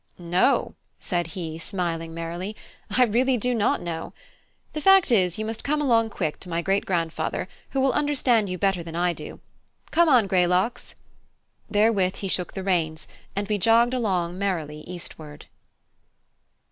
"No," said he, smiling merrily, "I really do not know. The fact is, you must come along quick to my great grandfather, who will understand you better than I do. Come on, Greylocks!" Therewith he shook the reins, and we jogged along merrily eastward.